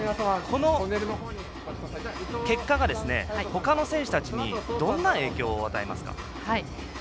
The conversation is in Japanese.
この結果が、ほかの選手たちにどんな影響を与えますか？